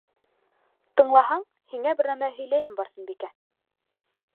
Тыңлаһаң, һиңә бер нәмә һөйләйем, Барсынбикә.